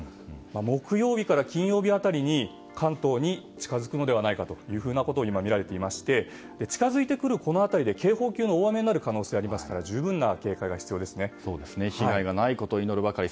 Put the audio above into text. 木曜日から金曜日辺りに関東に近づくのではないかと今、みられていまして近づいてくるこの辺りで警報級の大雨になる可能性がありますから被害がないことを祈るばかり。